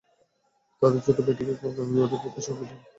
তাদের ছোট মেয়েটিকে খগেন জোরে বুকের সঙ্গে জড়িয়ে ধরে সেই সঙ্গে যতিনকেও।